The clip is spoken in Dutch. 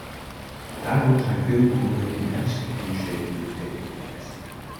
Daardoor zijn veel boeren in ernstige financiële moeilijkheden geraakt.